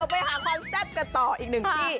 ไปหาความแซ่บกันต่ออีกหนึ่งที่